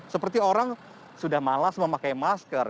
seperti orang sudah malas memakai masker